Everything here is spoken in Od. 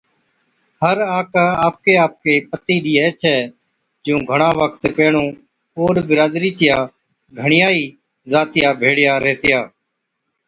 ھر آڪھ آپڪِي آپڪِي پتِي ڏِيئَي ڇَي۔ جُون گھڻا وقت پيھڻُون اوڏ برادرِي چِيا گھڻِيا ئِي ذاتيا ڀيڙِيا ريھتِيا